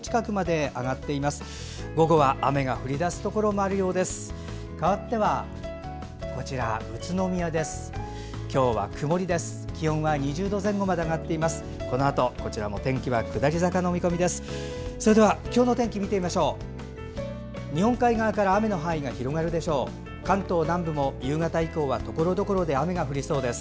このあと、こちらも天気は下り坂の見込みです。